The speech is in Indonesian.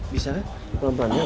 bisa kan pelan pelannya